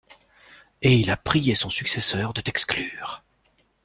Et il a prié son successeur de t'exclure.